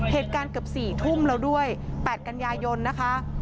เหตุการณ์เกือบ๔ทุ่มแล้วด้วย๘กันยายนนะคะ